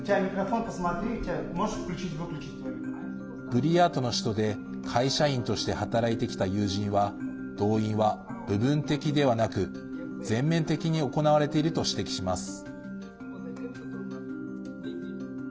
ブリヤートの首都で会社員として働いてきた友人は動員は部分的ではなく全面的に行われていると指摘します。